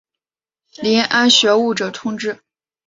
遴谙学务者充之。